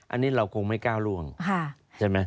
อันนี้เราคงไม่ก้าวล่วงใช่ไหม